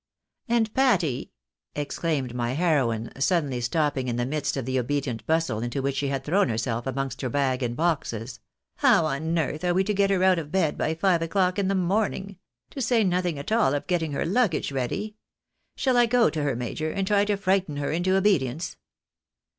"And Fatty?" exclaimed my heroine, suddenly stopping in the midst of the obedient bustle into which she had thrown herself amongst her bags and boxes ;" how on earth are we to get her out of bed by five o'clock in the morning ? to say nothing at all of getting her luggage ready ! Shall I go to her, major, and try to frighten her into obedience?